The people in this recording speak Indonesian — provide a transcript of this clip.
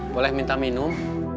boleh minta minum